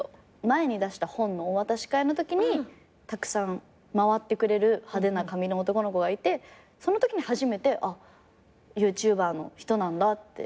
前に出した本のお渡し会のときにたくさん回ってくれる派手な髪の男の子がいてそのときに初めてあっＹｏｕＴｕｂｅｒの人なんだって。